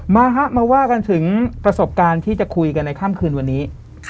มาฮะมาว่ากันถึงประสบการณ์ที่จะคุยกันในค่ำคืนวันนี้